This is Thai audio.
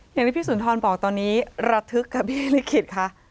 อย่างที่พี่สุนทรบอกตอนนี้ระทึกค่ะพี่ลิขิตค่ะ